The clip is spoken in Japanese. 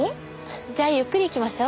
じゃあゆっくり行きましょう。